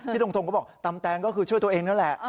ทงทงก็บอกตำแตงก็คือช่วยตัวเองนั่นแหละ